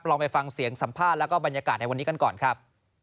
ลองไปฟังเสียงสัมภาษณ์แล้วก็บรรยากาศในวันนี้กันก่อนครับ